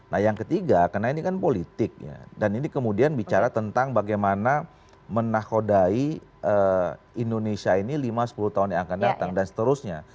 nah yang ketiga karena ini kan politik ya dan ini kemudian bicara tentang bagaimana menakodai indonesia ini lima sepuluh tahun yang akan datang dan seterusnya